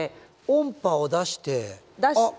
音波を出してあっ